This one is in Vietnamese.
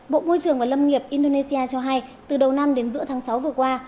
bộ môi trường và lâm nghiệp indonesia cho hay từ đầu năm đến giữa tháng sáu vừa qua